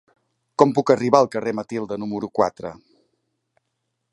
Com puc arribar al carrer de Matilde número quatre?